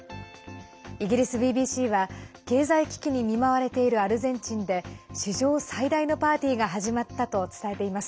イギリスＢＢＣは経済危機に見舞われているアルゼンチンで史上最大のパーティーが始まったと伝えています。